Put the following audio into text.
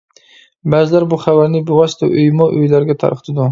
بەزىلەر بۇ خەۋەرنى بىۋاسىتە ئۆيمۇ ئۆيلەرگە تارقىتىدۇ.